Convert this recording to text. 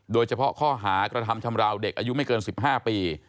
โดยเฉพาะข้อหากระทำชำราวเด็กอายุไม่เกิน๑๕ปี